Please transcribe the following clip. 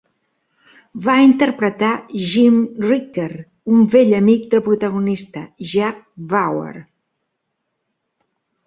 Va interpretar Jim Ricker, un vell amic del protagonista Jack Bauer.